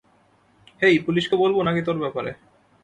হেই, পুলিশকে বলবো না কি তোর ব্যাপারে?